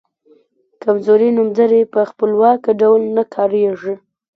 کمزوري نومځري په خپلواکه ډول نه کاریږي.